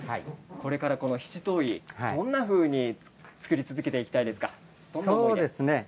これからこの七島藺どんなふうに作り続けていきたいですか？